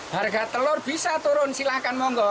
harga telur bisa turun silakan mohon kok